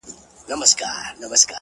زه تر هغه گړيه روح ته پر سجده پرېوځم;